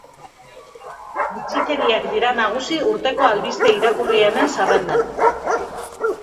Bitxikeriak dira nagusi urteko albiste irakurrienen zerrendan.